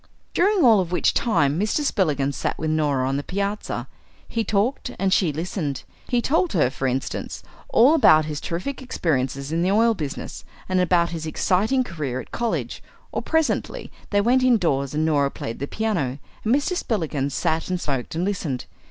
During all of which time Mr. Spillikins sat with Norah on the piazza. He talked and she listened. He told her, for instance, all about his terrific experiences in the oil business, and about his exciting career at college; or presently they went indoors and Norah played the piano and Mr. Spillikins sat and smoked and listened.